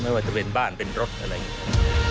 ไม่ว่าจะเป็นบ้านเป็นรถอะไรอย่างนี้